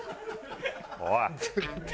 おい！